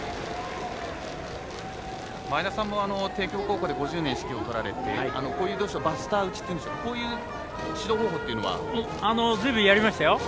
前田さんも帝京高校で５０年、指揮を執られてバスター打ちというんでしょうかこういう指導方法というのは随分やりましたよ。